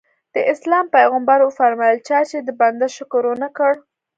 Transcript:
د اسلام پیغمبر وفرمایل چا چې د بنده شکر ونه کړ.